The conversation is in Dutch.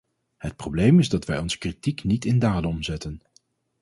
Het probleem is dat wij onze kritiek niet in daden omzetten.